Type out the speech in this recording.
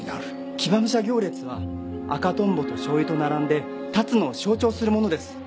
騎馬武者行列は赤トンボとしょうゆと並んで龍野を象徴するものです。